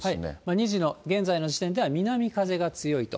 ２時の現在の時点では、南風が強いと。